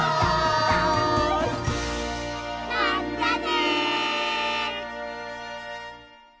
まったね！